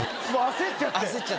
焦っちゃって。